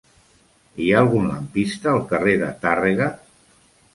Hi ha algun lampista al carrer de Tàrrega?